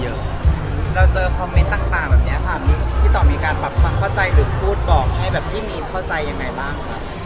เราเจอคอมเมนต์ต่างแบบนี้ค่ะพี่ต่อมีการปรับความเข้าใจหรือพูดบอกให้แบบพี่มีนเข้าใจยังไงบ้างครับ